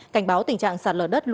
cảnh báo tình trạng sạt lở đất lũ